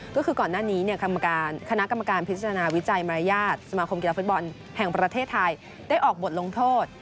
ก็คือก่อนหน้านี้คณะกรรมการพิจารณาวิจัยมารยาทสมาคมกีฬาฟุตบอลแห่งประเทศไทยได้ออกบทลงโทษ